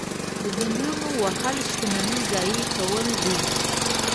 د ځنګلونو وهل شتمني ضایع کول دي.